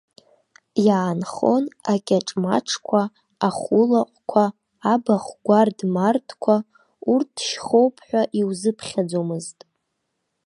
Иаанхон акьаҿ-маҿқәа, ахәы-лаҟәқәа, абахә гәард-мардқәа, урҭ шьхоуп ҳәа иузыԥхьаӡомызт.